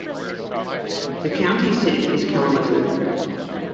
The county seat is Kalamazoo.